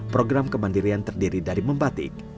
program kemandirian terdiri dari membatik